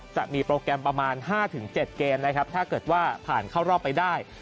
จะมีโปรแกรมประมาณ๕๗เกมนะครับถ้าเกิดว่าผ่านเข้ารอบไปได้